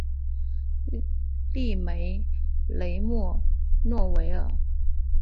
利梅雷默诺维尔。